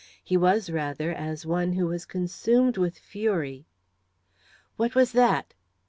He was, rather, as one who was consumed with fury. What was that?